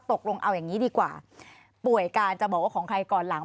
ตกลงเอาอย่างนี้ดีกว่าป่วยการจะบอกว่าของใครก่อนหลัง